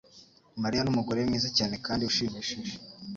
Mariya numugore mwiza cyane kandi ushimishije.